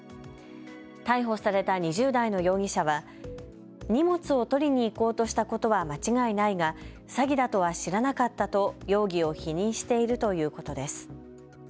逮捕された２０代の容疑者は荷物を取りに行こうとしたことは間違いないが詐欺だとは知らなかったと容疑を否認しているということです。